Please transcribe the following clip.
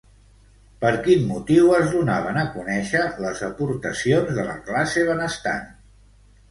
Per quin motiu es donaven a conèixer les aportacions de la classe benestant?